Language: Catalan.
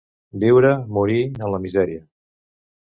Viure, morir, en la misèria.